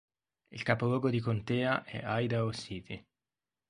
Il capoluogo di contea è Idaho City.